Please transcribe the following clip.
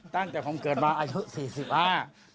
ตั้งแต่ผมเกิดมาอายุ๔๐อาห์